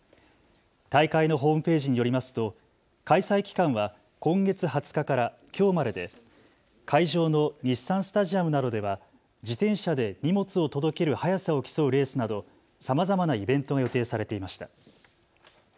大会のホームページによりますと開催期間は今月２０日からきょうまでで会場の日産スタジアムなどでは自転車で荷物を届ける速さを競うレースなどさまざまなイベントが予定されていました。